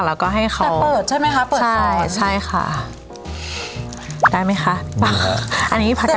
แล้วก็ให้เขาแต่เปิดใช่ไหมคะเปิดใช่ใช่ค่ะได้ไหมคะ